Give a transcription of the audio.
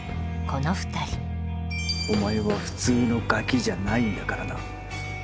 お前は普通のガキじゃないんだからな。